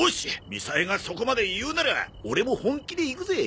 みさえがそこまで言うならオレも本気でいくぜ！